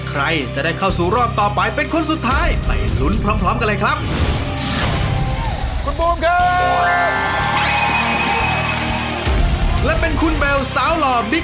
ขอให้โชคดีถ้าพร้อมแล้ว